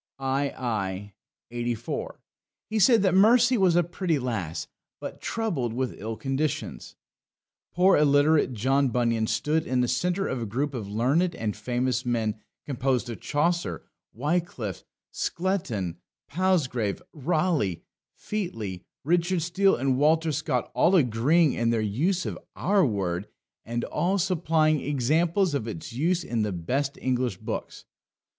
ii. 84. He said that Mercy was a pretty lass, but troubled with ill conditions." Poor illiterate John Bunyan stood in the centre of a group of learned and famous men, composed of Chaucer, Wyclif, Skelton, Palsgrave, Raleigh, Featly, Richard Steel, and Walter Scott all agreeing in their use of our word, and all supplying examples of its use in the best English books.